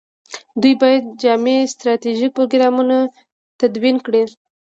دوی باید جامع ستراتیژیک پروګرام تدوین کړي.